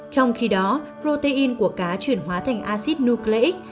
trong khi đó protein của cá chuyển hóa thành acid nucleic